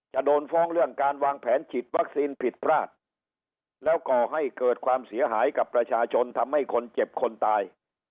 โดนฟ้องเรื่องการวางแผนฉีดวัคซีนผิดพลาดแล้วก่อให้เกิดความเสียหายกับประชาชนทำให้คนเจ็บคนตาย